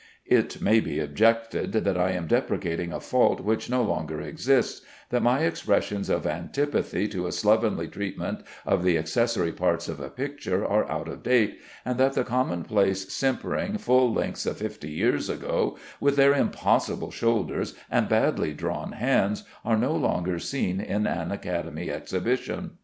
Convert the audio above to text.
It may be objected that I am deprecating a fault which no longer exists, that my expressions of antipathy to a slovenly treatment of the accessory parts of a picture are out of date, and that the commonplace, simpering full lengths of fifty years ago, with their impossible shoulders and badly drawn hands, are no longer seen in an Academy exhibition.